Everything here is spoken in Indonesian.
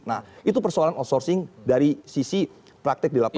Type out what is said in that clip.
nah itu persoalan outsourcing dari sisi praktek di lapangan